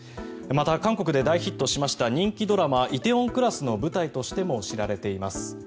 また、韓国で大ヒットしました人気ドラマ「梨泰院クラス」の舞台としても知られています。